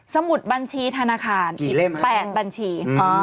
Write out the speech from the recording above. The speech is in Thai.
มุดบัญชีธนาคารอีก๘บัญชี